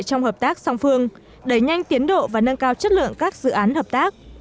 trong hợp tác song phương đẩy nhanh tiến độ và nâng cao chất lượng các dự án hợp tác